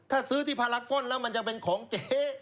ถ้าซื้อที่พาราฟฟอนแล้วมันจะเป็นของเก๊